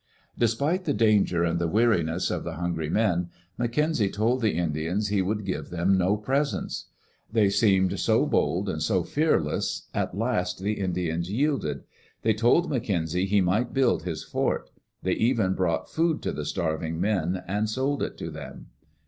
Despite the danger and the weariness of the hungry men, McKenzie told the Indians he would give them no presents. They seemed so bold and so fearless, at last the Indians yielded. They told McKenzie he might build his fort. They even brought food to the starving men and sold it to them.